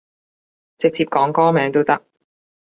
直接講歌名都得